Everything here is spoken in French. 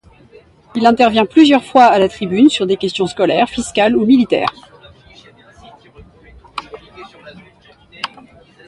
Il intervient plusieurs fois à la tribune sur des questions scolaires, fiscales ou militaires.